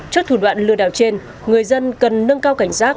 trước thủ đoạn lừa đảo trên người dân cần nâng cao cảnh giác